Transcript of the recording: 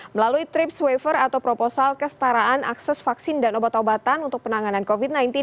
melalui trips waiver atau proposal kestaraan akses vaksin dan obat obatan untuk penanganan covid sembilan belas